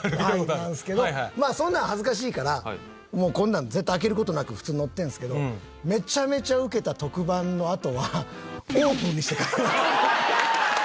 なんですけどまあそんなん恥ずかしいからこんなん絶対開ける事なく普通に乗ってるんですけどめちゃめちゃウケた特番のあとはオープンにして帰る。